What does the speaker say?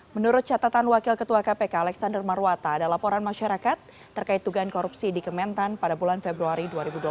menurut catatan wakil ketua kpk alexander marwata ada laporan masyarakat terkait tugas korupsi di kementan pada bulan februari dua ribu dua puluh